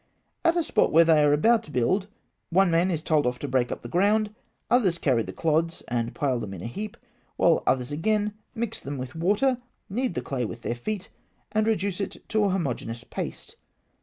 At a spot where they are about to build, one man is told off to break up the ground; others carry the clods, and pile them in a heap, while others again mix them with water, knead the clay with their feet, and reduce it to a homogeneous paste.